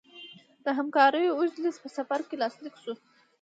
د همکاریو اوږد لېست په سفر کې لاسلیک شو.